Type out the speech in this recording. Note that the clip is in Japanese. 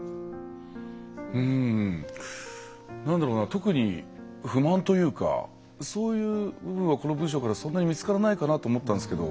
特に不満というかそういうのはこの文章からそんなに見つからないかなと思ったんですけど